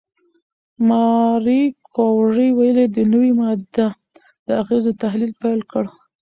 ماري کوري ولې د نوې ماده د اغېزو تحلیل پیل کړ؟